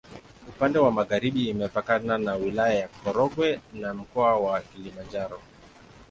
Upande wa magharibi imepakana na Wilaya ya Korogwe na Mkoa wa Kilimanjaro.